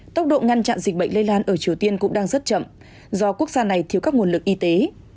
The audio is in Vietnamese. tốc độ ngăn chặn dịch bệnh lây lan ở triều tiên cũng đang rất chậm do quốc gia này thiếu các nguồn lực y tế